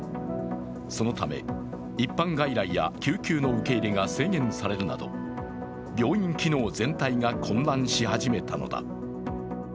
そのため、一般外来や救急の受け入れが制限されるなど病院機能全体が混乱し始めたのだ。